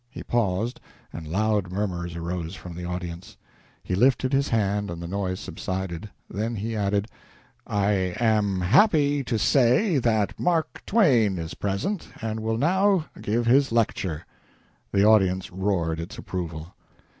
He paused, and loud murmurs arose from the audience. He lifted his hand and the noise subsided. Then he added, "I am happy to say that Mark Twain is present and will now give his lecture." The audience roared its approval.